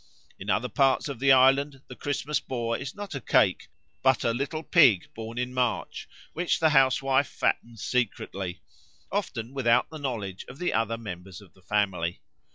In other parts of the island the Christmas Boar is not a cake but a little pig born in March, which the housewife fattens secretly, often without the knowledge of the other members of the family.